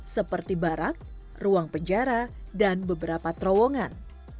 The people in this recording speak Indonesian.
seperti barak ruang penjara dan beberapa terowongan